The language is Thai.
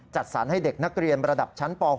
จัดสรรให้เด็กนักเรียนระดับชั้นป๖